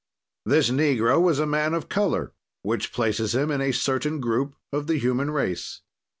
"This negro was a man of a color which places him in a certain group of the human race.